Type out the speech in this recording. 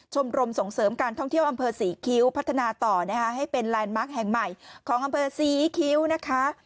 ชมรมส่งเสริมการท่องเที่ยวอำเภอศรีคิ้วพัฒนาต่อนะคะให้เป็นแลนด์มาร์คแห่งใหม่ของอำเภอศรีคิ้วนะคะ